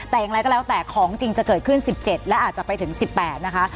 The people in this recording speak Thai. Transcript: แต่อย่างไรก็แล้วแต่ของจริงจะเกิดขึ้น๑๗และอาจจะไปถึง๑๘นะคะ